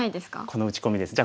この打ち込みです。